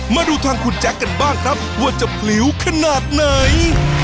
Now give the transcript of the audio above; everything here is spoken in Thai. มาดูทางคุณแจ๊คกันบ้างครับว่าจะผลิวขนาดไหน